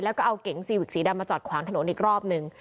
แล้วก็เอาเก๋งซีวิกสีดำมาจอดขวางถนนอีกรอบนึง